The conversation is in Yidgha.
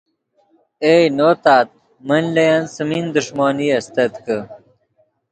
ائے نو تات من لے ین څیمین دݰمونی استت کہ